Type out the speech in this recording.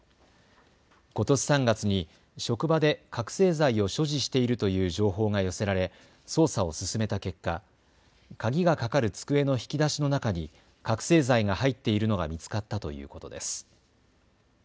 ことし３月に職場で覚醒剤を所持しているという情報が寄せられ捜査を進めた結果、鍵がかかる机の引き出しの中に覚醒剤が入っているのが見つかったということです。